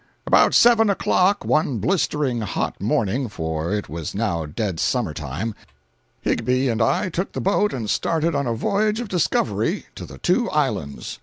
About seven o'clock one blistering hot morning—for it was now dead summer time—Higbie and I took the boat and started on a voyage of discovery to the two islands.